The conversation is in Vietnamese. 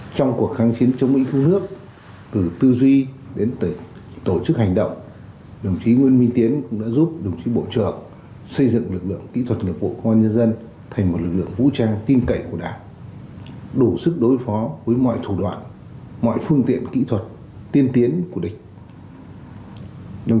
trong cuộc kháng chiến chống mỹ thiếu nước từ tư duy đến tổ chức hành động đồng chí nguyễn minh tiến cũng đã giúp đồng chí bộ trưởng xây dựng lực lượng kỹ thuật nghiệp vụ công an nhân dân thành một lực lượng vũ trang tin cậy của đảng đủ sức đối phó với mọi thủ đoạn mọi phương tiện kỹ thuật nghiệp vụ công an nhân dân